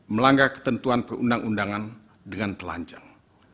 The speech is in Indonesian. melanggar ketentuan perundang undangan dengan telanjang